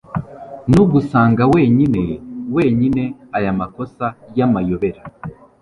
nugusanga wenyine wenyine aya masoko y'amayobera